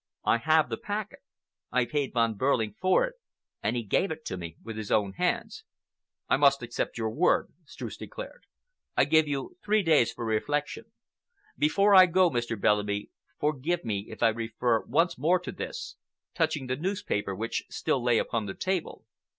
I have the packet. I paid Von Behrling for it and he gave it to me with his own hands." "I must accept your word," Streuss declared. "I give you three days for reflection. Before I go, Mr. Bellamy, forgive me if I refer once more to this,"—touching the newspaper which still lay upon the table.